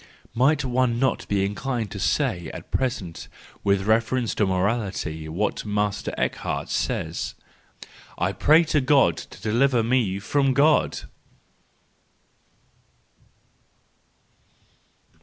Might one not be in¬ clined to say at present with reference to morality what Master Eckardt says: " I pray God to deliver me from God!